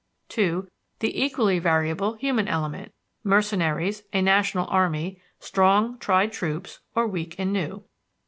(2) The equally variable human element mercenaries, a national army; strong, tried troops or weak and new.